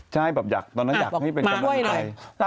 ใช่แบบตอนนั้นอยากให้เป็นกำลังใจ